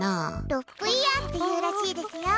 ロップイヤーっていうらしいですよ。